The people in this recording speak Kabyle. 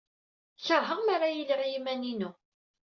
Keṛheɣ mi ara iliɣ i yiman-inu.